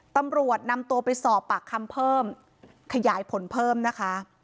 ตำรวจนำตัวไปสอบปากคำเพิ่มขยายผลเพิ่มนะคะ